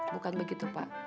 bukan begitu pak